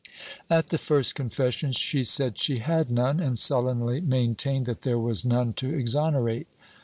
At the first confession, she said she had none, and sullenly maintained that there was none to exonerate.